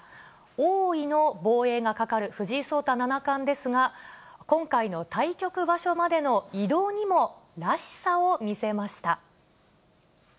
王位の防衛がかかる藤井聡太七冠ですが、今回の対局場所までの移動にもらしさを見せました。